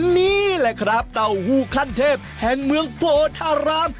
นี่แหละครับเต้าหู้ขั้นเทพแห่งเมืองโพธาราม